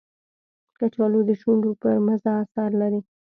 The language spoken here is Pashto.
کچالو د شونډو پر مزه اثر لري